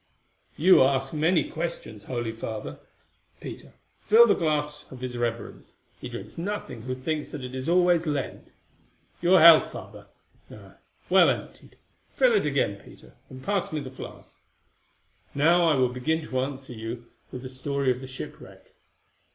"You ask many questions, holy Father. Peter, fill the glass of his reverence; he drinks nothing who thinks that it is always Lent. Your health, Father. Ah! well emptied. Fill it again, Peter, and pass me the flask. Now I will begin to answer you with the story of the shipwreck."